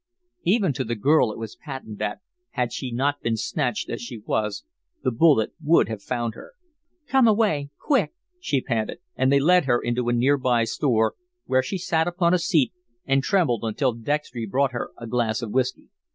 Even to the girl it was patent that, had she not been snatched as she was, the bullet would have found her. "Come away quick," she panted, and they led her into a near by store, where she sank upon a seat and trembled until Dextry brought her a glass of whiskey.